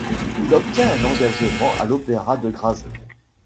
Il obtient un engagement à l'opéra de Graz.